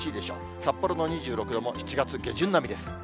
札幌の２６度も７月下旬並みです。